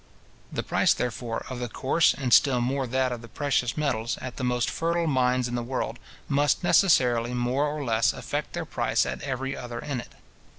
The price, therefore, of the coarse, and still more that of the precious metals, at the most fertile mines in the world, must necessarily more or less affect their price at every other in it.